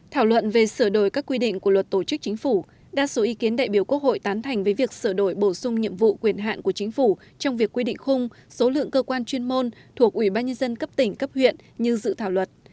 thảo luận về sửa đổi các quy định của luật tổ chức chính phủ đa số ý kiến đại biểu quốc hội tán thành với việc sửa đổi bổ sung nhiệm vụ quyền hạn của chính phủ trong việc quy định khung số lượng cơ quan chuyên môn thuộc ủy ban nhân dân cấp tỉnh cấp huyện như dự thảo luật